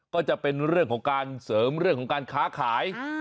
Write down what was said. ก็จะเป็นเรื่องของการเสริมเรื่องของการค้าขาย